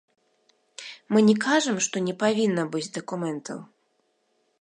Мы не кажам, што не павінна быць дакументаў.